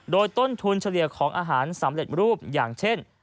โดยต้นทุนเฉลี่ยของอาหารสำเร็จรูปอย่างเช่น